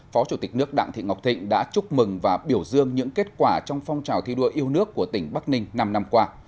phó chủ tịch nước đặng thị ngọc thịnh đã chúc mừng và biểu dương những kết quả trong phong trào thi đua yêu nước của tỉnh bắc ninh năm năm qua